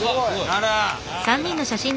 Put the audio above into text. あら。